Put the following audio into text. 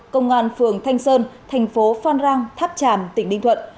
công an phường thanh sơn thành phố phan rang tháp tràm tỉnh ninh thuận